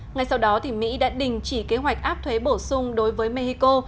ngay sau đó mỹ đã đình chỉ kế hoạch áp thuế bổ sung đối với mexico